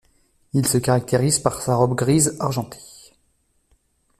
Il se caractérise par sa robe grise argentée.